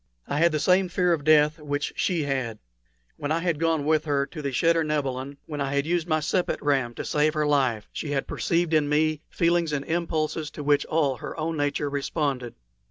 I had the same fear of death which she had. When I had gone with her to the cheder nebilin, when I had used my sepet ram to save life, she had perceived in me feelings and impulses to which all her own nature responded.